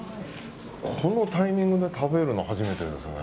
このタイミングで食べるの初めてですね。